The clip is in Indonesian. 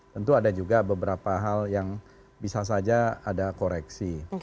tentu ada juga beberapa hal yang bisa saja ada koreksi